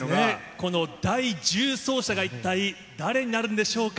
この第１０走者が、一体誰になるんでしょうか。